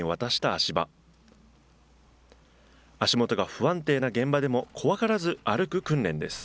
足元が不安定な現場でも、怖がらず歩く訓練です。